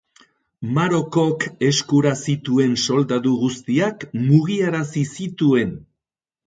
Marokok eskura zituen soldadu guztiak mugiarazi zituen